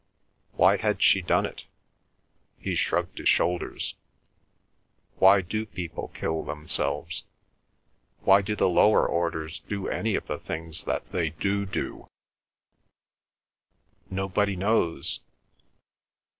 Why had she done it? He shrugged his shoulders. Why do people kill themselves? Why do the lower orders do any of the things they do do? Nobody knows.